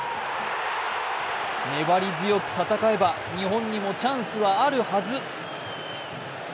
粘り強く戦えば日本にもチャンスはあるはず。